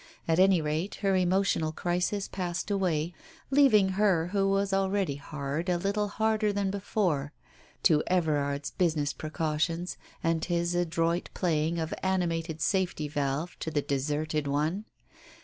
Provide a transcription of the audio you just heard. At any rate, her emotional crisis passed away, leaving her who was already hard a little harder than before to Everard's business precautions and his adroit playing of animated safety valve to the deserted one.